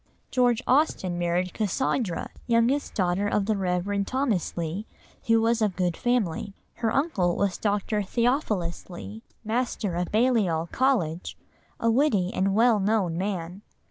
GEORGE AUSTEN] George Austen married Cassandra, youngest daughter of the Rev. Thomas Leigh, who was of good family, her uncle was Dr. Theophilus Leigh, Master of Balliol College, a witty and well known man.